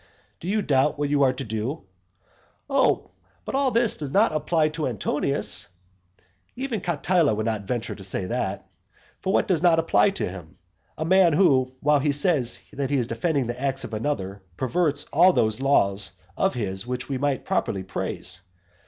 Do you doubt what you are to do? "Oh, but all this does not apply to Antonius." Even Cotyla would not venture to say that. For what does not apply to him? A man who, while he says that he is defending the acts of another, perverts all those laws of his which we might most properly praise.